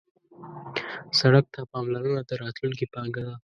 سړک ته پاملرنه د راتلونکي پانګه ده.